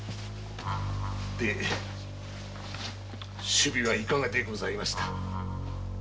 首尾はいかがでございました？